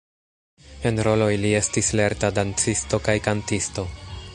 En roloj li estis lerta dancisto kaj kantisto.